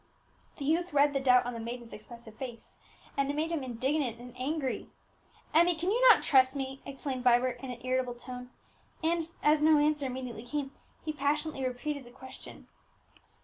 The youth read the doubt on the maiden's expressive face, and it made him indignant and angry. "Emmie, can you not trust me?" exclaimed Vibert in an irritable tone; and, as no answer immediately came, he passionately repeated the question.